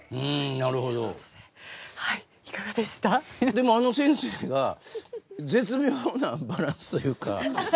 でもあの先生が絶妙なバランスというか。